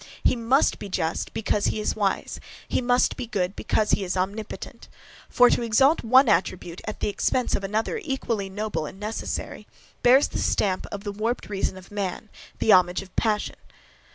He must be just, because he is wise, he must be good, because he is omnipotent. For, to exalt one attribute at the expense of another equally noble and necessary, bears the stamp of the warped reason of man, the homage of passion.